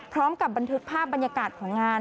พร้อมกับบันทึกภาพบรรยากาศของงาน